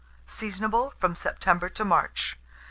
Seasonable from September to March.